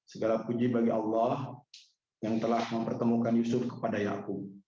segala puji bagi allah yang telah mempertemukan yusuf kepada yaku